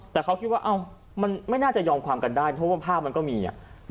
แต่เขาคิดว่ามันไม่น่าจะยอมความกันได้เพราะว่าภาพมันก็มี